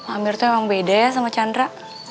amir tuh emang beda ya sama chandra